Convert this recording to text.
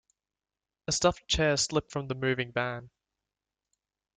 A stuffed chair slipped from the moving van.